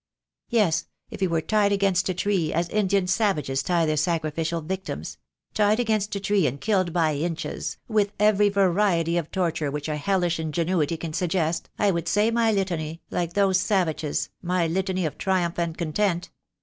Yes, if he were tied against a tree, as Indian savages tie their sacrificial victims — tied against a tree and killed by inches, with every variety of torture which a hellish in genuity can suggest, I would say my litany, like those savages, my litany of triumph and content.